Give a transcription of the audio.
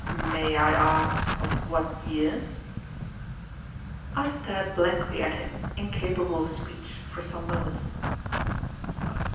"May I ask of what year?" I stared blankly at him, incapable of speech, for some moments.